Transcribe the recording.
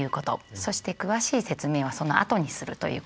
そして詳しい説明はそのあとにするということです。